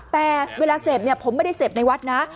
แต่เวลาเสธผมไม่ได้เสธในวัดนะ